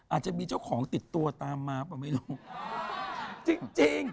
อาจจะมีเจ้าของติดตัวตามมาเปล่าไม่รู้จริงจริง